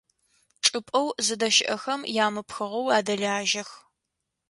Чӏыпӏэу зыдэщыӏэхэм ямыпхыгъэу адэлажьэх.